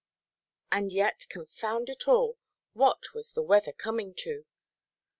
And yet, confound it all, what was the weather coming to?